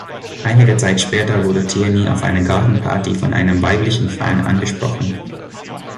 Einige Zeit später wurde Tierney auf einer Gartenparty von einem weiblichen Fan angesprochen.